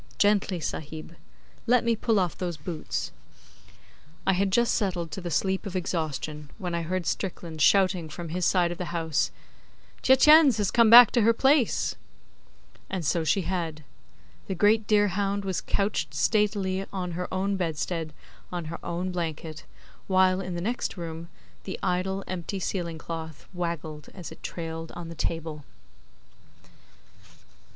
Gently, Sahib. Let me pull off those boots.' I had just settled to the sleep of exhaustion when I heard Strickland shouting from his side of the house 'Tietjens has come back to her place!' And so she had. The great deerhound was couched statelily on her own bedstead on her own blanket, while, in the next room, the idle, empty, ceiling cloth waggled as it trailed on the table.